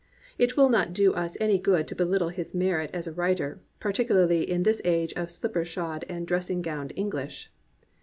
It will not do us any good to belittle his merit as a writer, particularly in this age of sKpper shod and dressing gowned English.